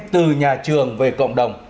từ nhà trường về cộng đồng